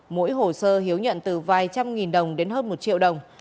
mỗi hồ sơ hiếu nhận từ vài trăm nghìn đồng đến hơn một triệu đồng